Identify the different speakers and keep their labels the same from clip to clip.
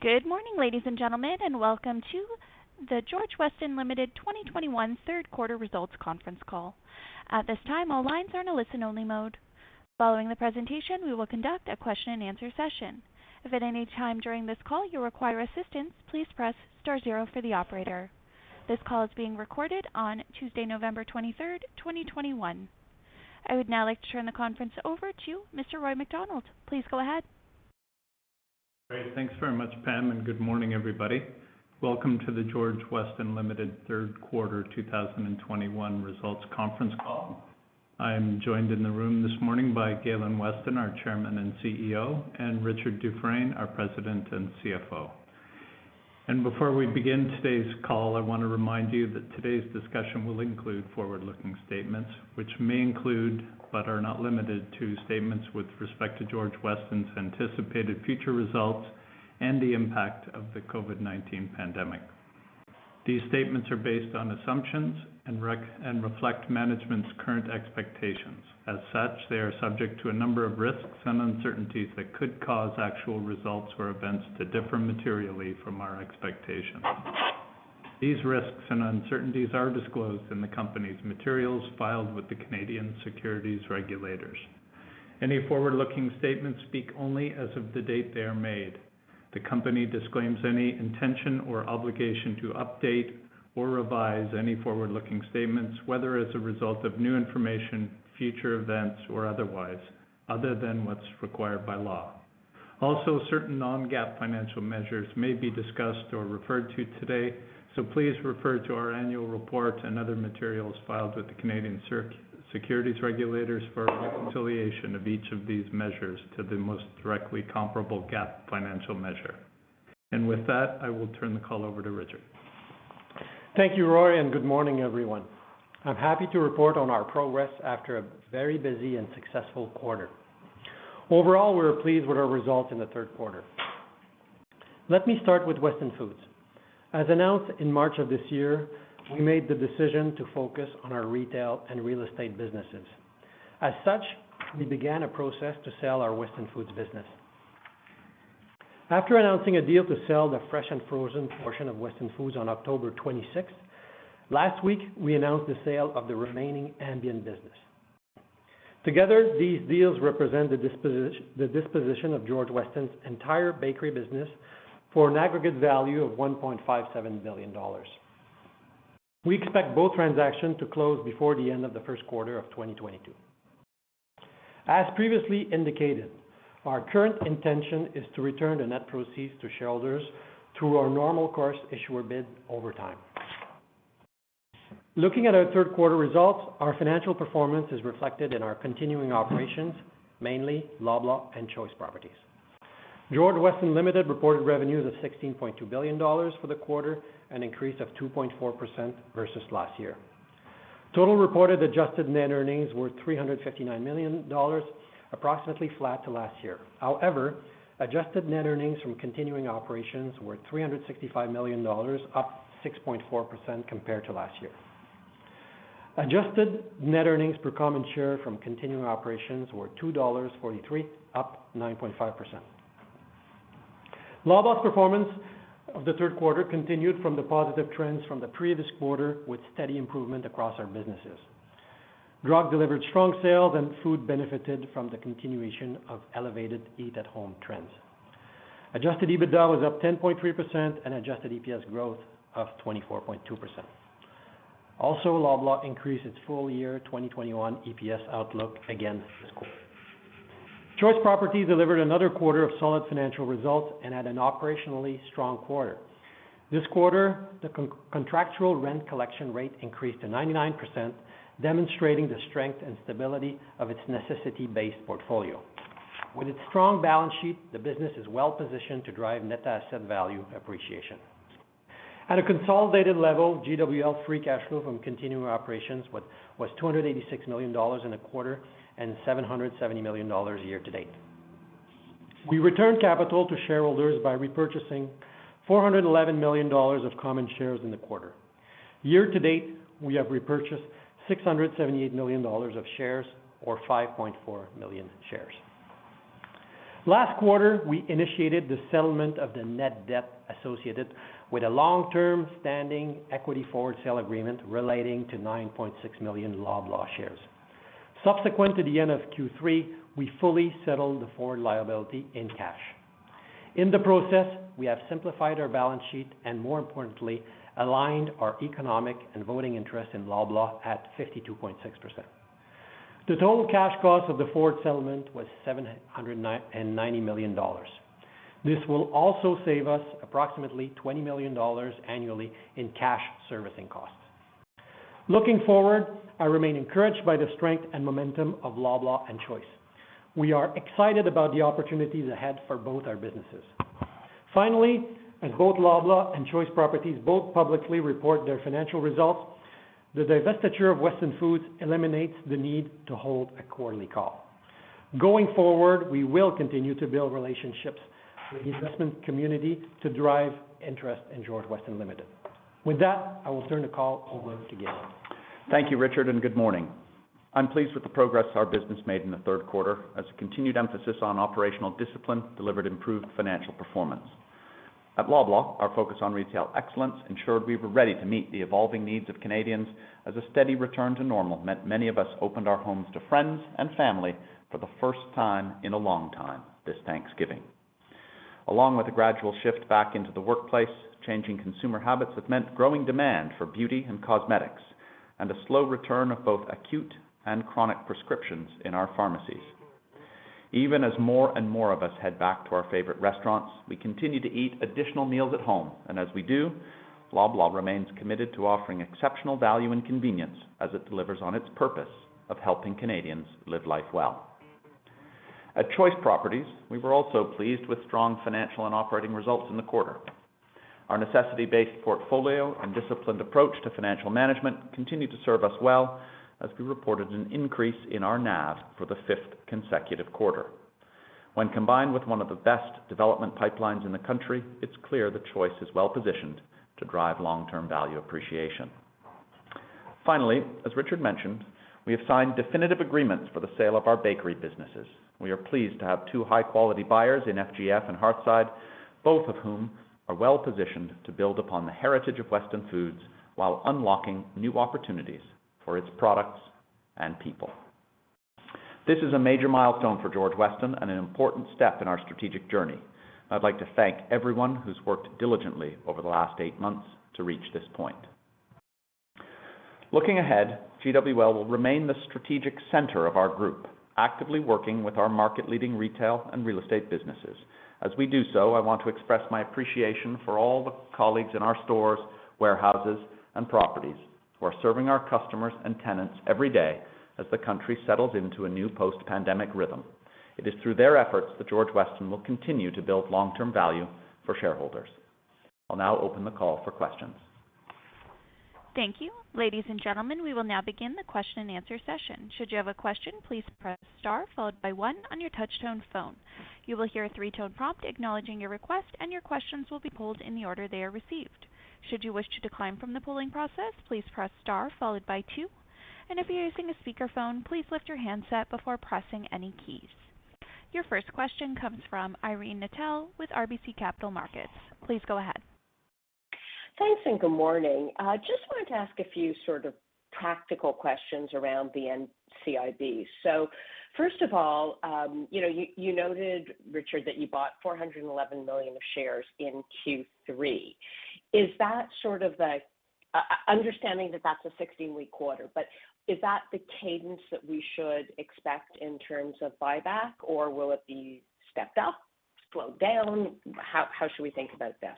Speaker 1: Good morning, ladies and gentlemen, and welcome to the George Weston Limited 2021 third quarter results conference call. At this time, all lines are in a listen-only mode. Following the presentation, we will conduct a question-and-answer session. If at any time during this call you require assistance, please press star zero for the operator. This call is being recorded on Tuesday, November 23, 2021. I would now like to turn the conference over to Mr. Roy MacDonald. Please go ahead.
Speaker 2: Great. Thanks very much, Pam, and good morning, everybody. Welcome to the George Weston Limited third quarter 2021 results conference call. I am joined in the room this morning by Galen Weston, our Chairman and CEO, and Richard Dufresne, our President and CFO. Before we begin today's call, I wanna remind you that today's discussion will include forward-looking statements which may include, but are not limited to, statements with respect to George Weston's anticipated future results and the impact of the COVID-19 pandemic. These statements are based on assumptions and reflect management's current expectations. As such, they are subject to a number of risks and uncertainties that could cause actual results or events to differ materially from our expectations. These risks and uncertainties are disclosed in the company's materials filed with the Canadian Securities Regulators. Any forward-looking statements speak only as of the date they are made. The company disclaims any intention or obligation to update or revise any forward-looking statements, whether as a result of new information, future events or otherwise, other than what's required by law. Also, certain non-GAAP financial measures may be discussed or referred to today. Please refer to our annual report and other materials filed with the Canadian Securities Regulators for a reconciliation of each of these measures to the most directly comparable GAAP financial measure. With that, I will turn the call over to Richard.
Speaker 3: Thank you, Roy, and good morning, everyone. I'm happy to report on our progress after a very busy and successful quarter. Overall, we're pleased with our results in the third quarter. Let me start with Weston Foods. As announced in March of this year, we made the decision to focus on our retail and real estate businesses. As such, we began a process to sell our Weston Foods business. After announcing a deal to sell the fresh and frozen portion of Weston Foods on October twenty-sixth, last week we announced the sale of the remaining ambient business. Together, these deals represent the disposition of George Weston's entire bakery business for an aggregate value of 1.57 billion dollars. We expect both transactions to close before the end of the first quarter of 2022. As previously indicated, our current intention is to return the net proceeds to shareholders through our normal course issuer bid over time. Looking at our third quarter results, our financial performance is reflected in our continuing operations, mainly Loblaw and Choice Properties. George Weston Limited reported revenues of CAD 16.2 billion for the quarter, an increase of 2.4% versus last year. Total reported adjusted net earnings were 359 million dollars, approximately flat to last year. However, adjusted net earnings from continuing operations were 365 million dollars, up 6.4% compared to last year. Adjusted net earnings per common share from continuing operations were 2.43 dollars, up 9.5%. Loblaw's performance of the third quarter continued from the positive trends from the previous quarter with steady improvement across our businesses. Drug delivered strong sales and food benefited from the continuation of elevated eat-at-home trends. Adjusted EBITDA was up 10.3% and adjusted EPS growth of 24.2%. Loblaw increased its full year 2021 EPS outlook again this quarter. Choice Properties delivered another quarter of solid financial results and had an operationally strong quarter. This quarter, the contractual rent collection rate increased to 99%, demonstrating the strength and stability of its necessity-based portfolio. With its strong balance sheet, the business is well-positioned to drive net asset value appreciation. At a consolidated level, GWL free cash flow from continuing operations was 286 million dollars in the quarter and 770 million dollars year to date. We returned capital to shareholders by repurchasing 411 million dollars of common shares in the quarter. Year to date, we have repurchased 678 million dollars of shares or 5.4 million shares. Last quarter, we initiated the settlement of the net debt associated with a long-term standing equity forward sale agreement relating to 9.6 million Loblaw shares. Subsequent to the end of Q3, we fully settled the forward liability in cash. In the process, we have simplified our balance sheet and more importantly, aligned our economic and voting interest in Loblaw at 52.6%. The total cash cost of the forward settlement was 790 million dollars. This will also save us approximately 20 million dollars annually in cash servicing costs. Looking forward, I remain encouraged by the strength and momentum of Loblaw and Choice. We are excited about the opportunities ahead for both our businesses. Finally, as both Loblaw and Choice Properties publicly report their financial results, the divestiture of Weston Foods eliminates the need to hold a quarterly call. Going forward, we will continue to build relationships with the investment community to drive interest in George Weston Limited. With that, I will turn the call over to Galen.
Speaker 4: Thank you, Richard, and good morning. I'm pleased with the progress our business made in the third quarter as a continued emphasis on operational discipline delivered improved financial performance. At Loblaw, our focus on retail excellence ensured we were ready to meet the evolving needs of Canadians as a steady return to normal meant many of us opened our homes to friends and family for the first time in a long time this Thanksgiving. Along with the gradual shift back into the workplace, changing consumer habits have meant growing demand for beauty and cosmetics and a slow return of both acute and chronic prescriptions in our pharmacies. Even as more and more of us head back to our favorite restaurants, we continue to eat additional meals at home. As we do, Loblaw remains committed to offering exceptional value and convenience as it delivers on its purpose of helping Canadians live life well. At Choice Properties, we were also pleased with strong financial and operating results in the quarter. Our necessity-based portfolio and disciplined approach to financial management continued to serve us well as we reported an increase in our NAV for the fifth consecutive quarter. When combined with one of the best development pipelines in the country, it's clear that Choice is well-positioned to drive long-term value appreciation. Finally, as Richard mentioned, we have signed definitive agreements for the sale of our bakery businesses. We are pleased to have two high-quality buyers in FGF and Hearthside, both of whom are well-positioned to build upon the heritage of Weston Foods while unlocking new opportunities for its products and people. This is a major milestone for George Weston and an important step in our strategic journey. I'd like to thank everyone who's worked diligently over the last eight months to reach this point. Looking ahead, GWL will remain the strategic center of our group, actively working with our market-leading retail and real estate businesses. As we do so, I want to express my appreciation for all the colleagues in our stores, warehouses, and properties who are serving our customers and tenants every day as the country settles into a new post-pandemic rhythm. It is through their efforts that George Weston will continue to build long-term value for shareholders. I'll now open the call for questions.
Speaker 1: Thank you. Ladies and gentlemen, we will now begin the question and answer session. Should you have a question, please press star followed by one on your touch-tone phone. You will hear a three-tone prompt acknowledging your request, and your questions will be pooled in the order they are received. Should you wish to decline from the pooling process, please press star followed by two. If you're using a speakerphone, please lift your handset before pressing any keys. Your first question comes from Irene Nattel with RBC Capital Markets. Please go ahead.
Speaker 5: Thanks. Good morning. Just wanted to ask a few sort of practical questions around the NCIB. First of all, you know, you noted, Richard, that you bought 411 million shares in Q3. Is that sort of the understanding that that's a 16-week quarter, but is that the cadence that we should expect in terms of buyback, or will it be stepped up, slowed down? How should we think about this?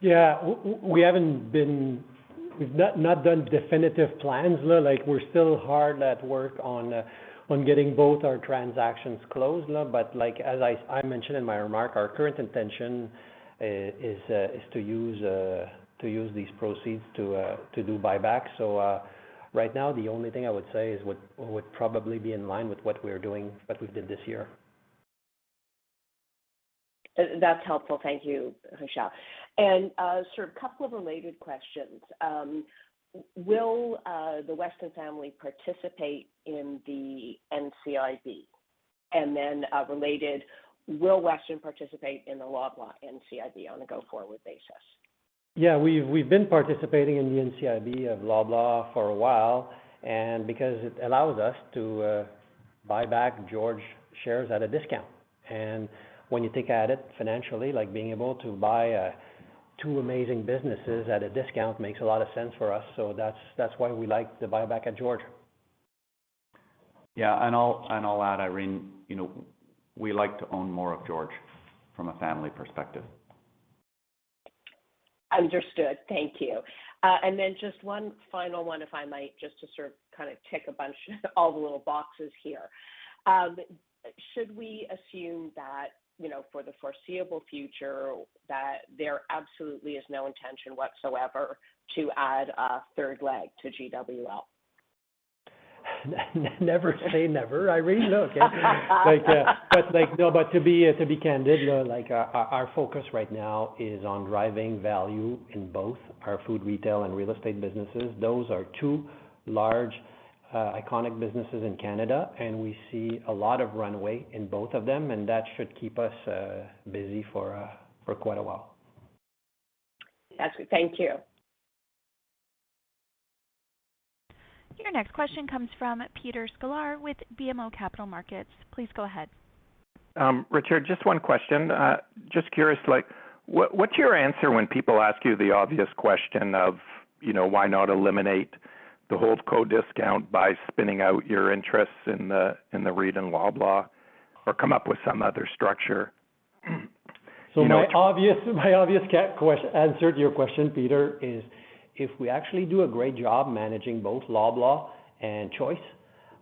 Speaker 3: Yeah, we haven't done definitive plans, though. Like, we're still hard at work on getting both our transactions closed now. Like, as I mentioned in my remark, our current intention is to use these proceeds to do buyback. Right now, the only thing I would say is what would probably be in line with what we're doing, what we've did this year.
Speaker 5: That's helpful. Thank you, Richard. Sort of couple of related questions. Will the Weston family participate in the NCIB? Related, will Weston participate in the Loblaw NCIB on a go-forward basis?
Speaker 3: Yeah, we've been participating in the NCIB of Loblaw for a while, and because it allows us to buy back George shares at a discount. When you think about it financially, like being able to buy two amazing businesses at a discount makes a lot of sense for us. That's why we like to buy back at George.
Speaker 4: Yeah. I'll add, Irene, you know, we like to own more of George from a family perspective.
Speaker 5: Understood. Thank you. Just one final one, if I might, just to sort of, kind of tick all the little boxes here. Should we assume that, you know, for the foreseeable future that there absolutely is no intention whatsoever to add a third leg to GWL?
Speaker 3: Never say never, Irene. No. But to be candid, though, like our focus right now is on driving value in both our food, retail, and real estate businesses. Those are two large, iconic businesses in Canada, and we see a lot of runway in both of them, and that should keep us busy for quite a while.
Speaker 5: That's good. Thank you.
Speaker 1: Your next question comes from Peter Sklar with BMO Capital Markets. Please go ahead.
Speaker 6: Richard, just one question. Just curious, like what's your answer when people ask you the obvious question of, you know, why not eliminate the holdco discount by spinning out your interests in the retail Loblaw or come up with some other structure? You know-
Speaker 3: My obvious answer to your question, Peter, is if we actually do a great job managing both Loblaw and Choice,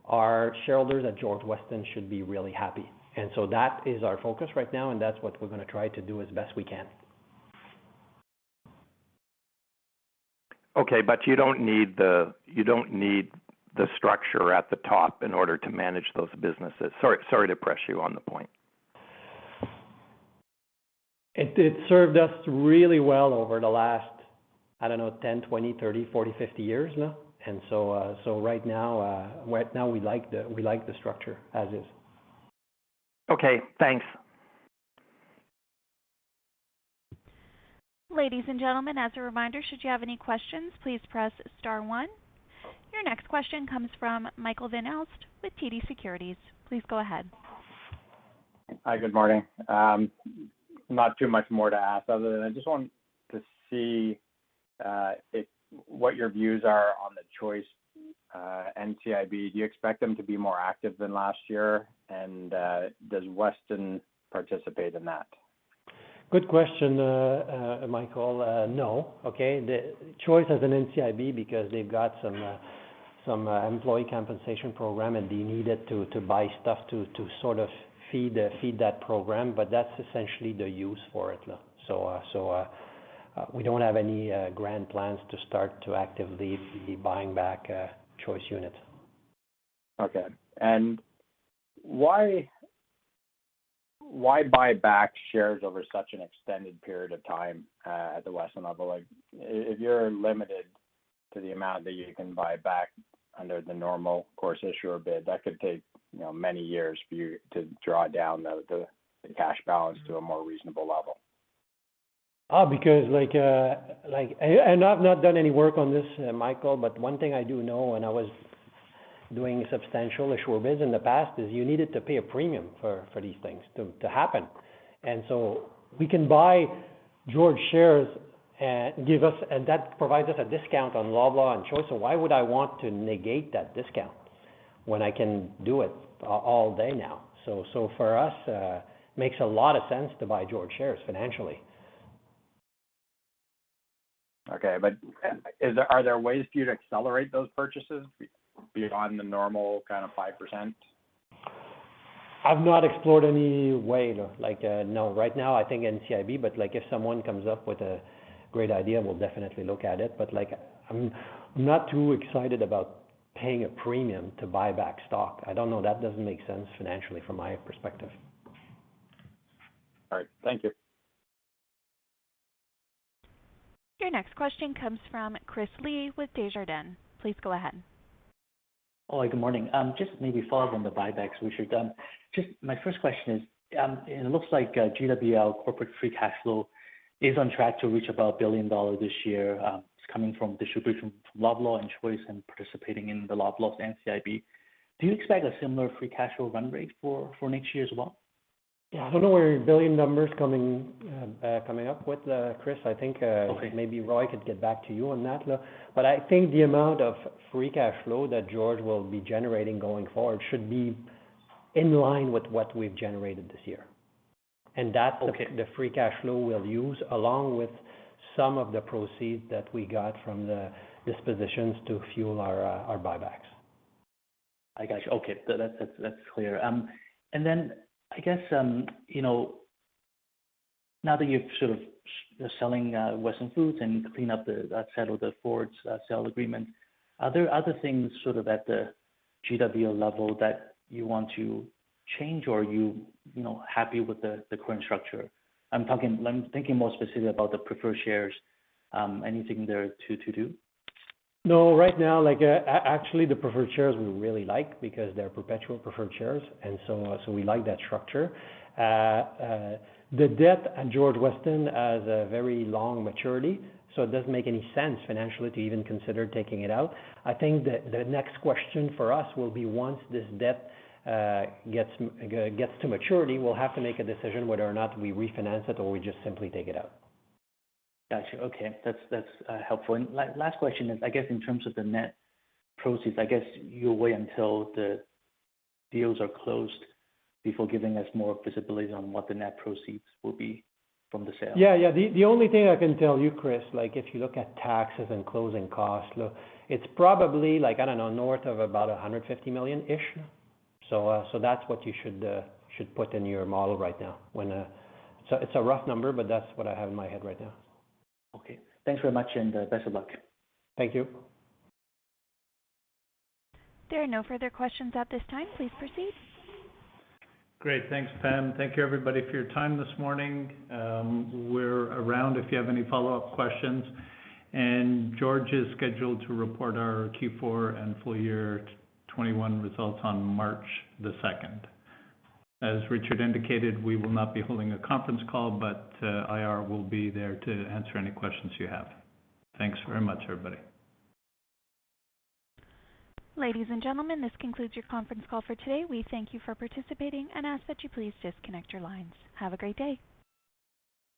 Speaker 3: our shareholders at George Weston should be really happy. That is our focus right now, and that's what we're gonna try to do as best we can.
Speaker 6: Okay. You don't need the structure at the top in order to manage those businesses. Sorry to press you on the point.
Speaker 3: It served us really well over the last, I don't know, 10, 20, 30, 40, 50 years now. Right now we like the structure as is.
Speaker 6: Okay, thanks.
Speaker 1: Ladies and gentlemen, as a reminder, should you have any questions, please press star one. Your next question comes from Michael Van Aelst with TD Securities. Please go ahead.
Speaker 7: Hi. Good morning. Not too much more to ask other than I just wanted to see what your views are on the Choice NCIB. Do you expect them to be more active than last year? Does Weston participate in that?
Speaker 3: Good question, Michael. No. Okay, the Choice has an NCIB because they've got some employee compensation program, and they need it to buy stuff to sort of feed that program, but that's essentially the use for it. We don't have any grand plans to start to actively be buying back Choice units.
Speaker 7: Okay. Why buy back shares over such an extended period of time at the Weston level? Like, if you're limited to the amount that you can buy back under the normal course issuer bid, that could take, you know, many years for you to draw down the cash balance to a more reasonable level.
Speaker 3: Because like, I've not done any work on this, Michael, but one thing I do know when I was doing substantial issuer bids in the past is you needed to pay a premium for these things to happen. We can buy George shares and that provides us a discount on Loblaw and Choice, so why would I want to negate that discount when I can do it all day now? For us, it makes a lot of sense to buy George shares financially.
Speaker 7: Okay. Are there ways for you to accelerate those purchases beyond the normal kind of 5%?
Speaker 3: I've not explored any way. Like, no. Right now I think NCIB, but, like, if someone comes up with a great idea, we'll definitely look at it. Like, I'm not too excited about paying a premium to buy back stock. I don't know, that doesn't make sense financially from my perspective.
Speaker 7: All right. Thank you.
Speaker 1: Your next question comes from Chris Li with Desjardins. Please go ahead.
Speaker 8: Oh, good morning. Just maybe follow up on the buybacks, which you've done. Just my first question is, it looks like GWL corporate free cash flow is on track to reach about 1 billion dollars this year. It's coming from distribution from Loblaw and Choice and participating in the Loblaw's NCIB. Do you expect a similar free cash flow run rate for next year as well?
Speaker 3: Yeah. I don't know where your billion number is coming up with, Chris. I think,
Speaker 8: Okay.
Speaker 3: Maybe Roy could get back to you on that. I think the amount of free cash flow that George will be generating going forward should be in line with what we've generated this year.
Speaker 8: Okay.
Speaker 3: That's the free cash flow we'll use, along with some of the proceeds that we got from the dispositions to fuel our buybacks.
Speaker 8: I got you. Okay. That's clear. I guess, you know, now that you're sort of selling Weston Foods and settled the forward sale agreement, are there other things sort of at the GWL level that you want to change, or are you know, happy with the current structure? I'm thinking more specifically about the preferred shares. Anything there to do?
Speaker 3: No, right now, like, actually, the preferred shares we really like because they're perpetual preferred shares, and so we like that structure. The debt at George Weston has a very long maturity, so it doesn't make any sense financially to even consider taking it out. I think the next question for us will be once this debt gets to maturity, we'll have to make a decision whether or not we refinance it or we just simply take it out.
Speaker 8: Got you. Okay. That's helpful. Last question is, I guess in terms of the net proceeds, I guess you'll wait until the deals are closed before giving us more visibility on what the net proceeds will be from the sale.
Speaker 3: Yeah, yeah. The only thing I can tell you, Chris, like if you look at taxes and closing costs, look, it's probably like, I don't know, north of about 150 million-ish. That's what you should put in your model right now. It's a rough number, but that's what I have in my head right now.
Speaker 8: Okay. Thanks very much, and, best of luck.
Speaker 3: Thank you.
Speaker 1: There are no further questions at this time. Please proceed.
Speaker 2: Great. Thanks, Pam. Thank you, everybody, for your time this morning. We're around if you have any follow-up questions. George is scheduled to report our Q4 and full year 2021 results on March 2nd. As Richard indicated, we will not be holding a conference call, but IR will be there to answer any questions you have. Thanks very much, everybody.
Speaker 1: Ladies and gentlemen, this concludes your conference call for today. We thank you for participating and ask that you please disconnect your lines. Have a great day.